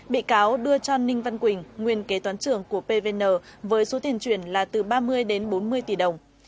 bị cáo đưa cho ninh văn quỳnh nguyên kế toán trưởng của pvn với số tiền chuyển là từ ba mươi đến bốn mươi tỷ đồng